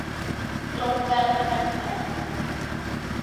กรมการประกันภัย